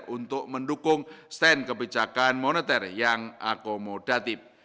untuk mendukung stand kebijakan moneter yang akomodatif